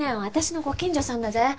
私のご近所さんだぜ。